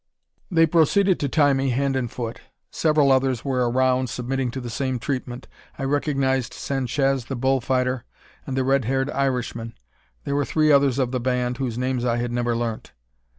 They proceeded to tie me hand and foot. Several others were around, submitting to the same treatment. I recognised Sanchez the bull fighter, and the red haired Irishman. There were three others of the band, whose names I had never learnt.